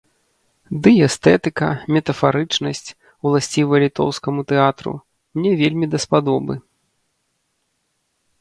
Дый эстэтыка, метафарычнасць, уласцівая літоўскаму тэатру, мне вельмі даспадобы.